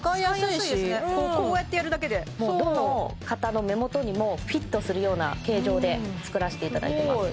こうやってやるだけでもうどの方の目元にもフィットするような形状で作らしていただいてます